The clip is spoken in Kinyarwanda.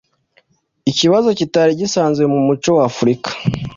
ikibazo kitari gisanzwe mu muco wa Afurika